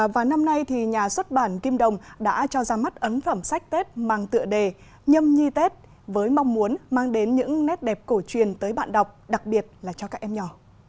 và năm nay thì nhà xuất bản kim đồng đã cho ra mắt ấn phẩm sách tết mang tựa đề nhâm nhi tết với mong muốn mang đến những nét đẹp cổ truyền tới bạn đọc đặc biệt là cho các em nhỏ